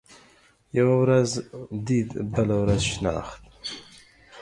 يوه ورځ ديد ، بله ورځ شناخت.